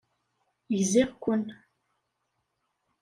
Gziɣ-ken.